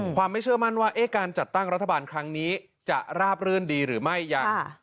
ไม่เชื่อมั่นว่าการจัดตั้งรัฐบาลครั้งนี้จะราบรื่นดีหรือไม่ยัง